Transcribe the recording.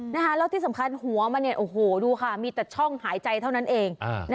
แล้วที่สำคัญหัวมันเนี่ยโอ้โหดูค่ะมีแต่ช่องหายใจเท่านั้นเอง